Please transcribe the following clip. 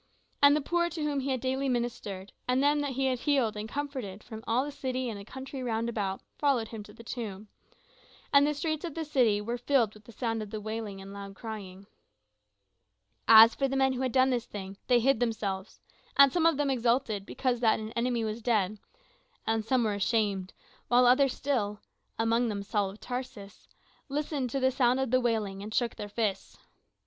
And the poor to whom he had daily ministered, and them that he had healed and comforted from all the city and the country round about followed him to the tomb; and the streets of the city were filled with the sound of the wailing and loud crying. As for the men which had done this thing, they hid themselves; and some of them exulted because that an enemy was dead, and some were ashamed, while others still amongst them Saul of Tarsus listened to the sound of the wailing, and shook their fists.